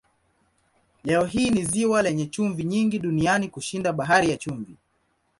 Leo hii ni ziwa lenye chumvi nyingi duniani kushinda Bahari ya Chumvi.